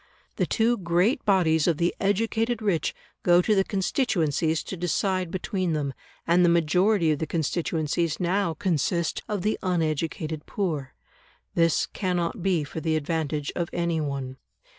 The two great bodies of the educated rich go to the constituencies to decide between them, and the majority of the constituencies now consist of the uneducated poor. This cannot be for the advantage of any one.